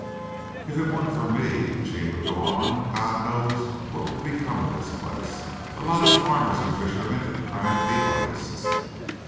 "If it weren't for me," Eugene would go on, "God knows what would become of this place. A lot of farmers and fishermen trying to be artists."